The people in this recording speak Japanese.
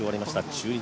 中日